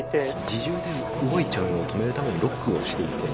自重で動いちゃうのを止めるためにロックをしていて。